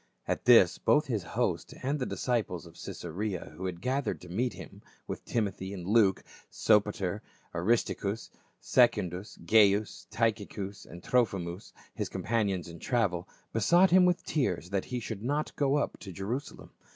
At this both his host and the disciples of Caesarea who had gathered to meet him, with Timothy and Luke, Sopatcr, Aristarchus and Secundus, Gaius, Tychicus and Trophimus, his companions in travel, besought him with tears that he should not go up to Jerusalem.